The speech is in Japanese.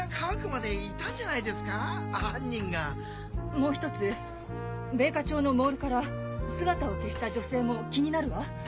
もう１つ米花町のモールから姿を消した女性も気になるわ。